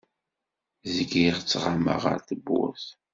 Zgiɣ ttɣamaɣ ar tewwurt.